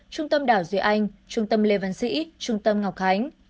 trung tâm đảo duy anh trung tâm lê văn sĩ trung tâm ngọc khánh